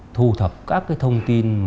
thu thập các thông tin